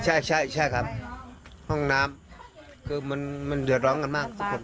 ใช่ใช่ใช่ครับห้องน้ำคือมันมันเดือดร้องกันมากทุกคน